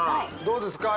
どうですか？